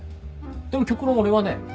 でも極論俺はね